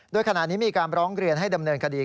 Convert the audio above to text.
โดยขณะนี้มีการร้องเรียนให้ดำเนินคดี